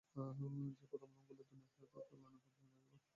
যে পথ অবলম্বন করলে দুনিয়া ও আখিরাতে তোমাকে কল্যাণের পথে নিয়ে যাবে।